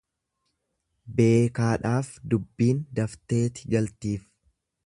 Beekaadhaaf dubbiin dafteeti galtiif.